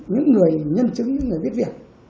những người nhân chứng những người biết việc